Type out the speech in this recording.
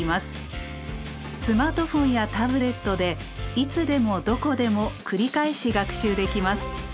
スマートフォンやタブレットでいつでもどこでも繰り返し学習できます。